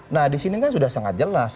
nah disini kan sudah sangat jelas